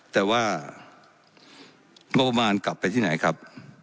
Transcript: แต่ว่างบประมาณกลับไปที่ไหนครับ